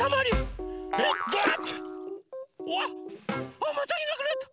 あっまたいなくなった！